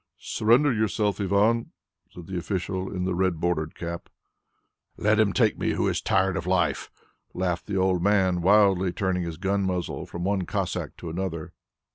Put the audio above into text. "Surrender yourself, Ivan," said the official in the red bordered cap. "Let him take me who is tired of life," laughed the old man wildly, turning his gun muzzle from one Cossack to another!